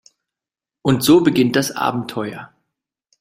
Und so beginnt das Abenteuer.